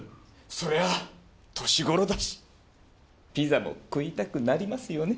そりゃ年頃だしピザも食いたくなりますよね。